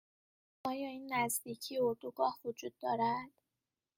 آیا این نزدیکی اردوگاه وجود دارد؟